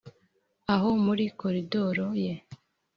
aho muri koridoro ye